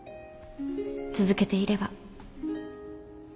続けていれば。